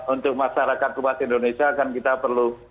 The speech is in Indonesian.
untuk masyarakat luas indonesia kan kita perlu